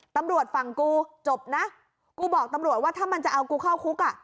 ตำรวจฝั่งกูจบนะกูบอกตำรวจว่าถ้ามันจะเอากูเข้าคุกอ่ะ